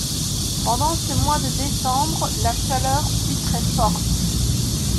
Pendant ce mois de décembre, la chaleur fut très-forte